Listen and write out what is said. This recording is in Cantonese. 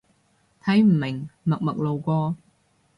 睇唔明，默默路過